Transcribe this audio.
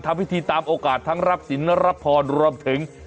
ทำพิธีตามโอกาสทั้งรับศิลปรับพรรวมถึง